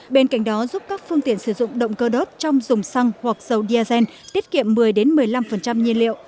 bên cạnh đó giúp các phương tiện sử dụng động cơ đốt trong dùng xăng hoặc dầu diazen tiết kiệm một mươi một mươi năm nhiên liệu